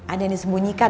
ada yang disembunyikan ya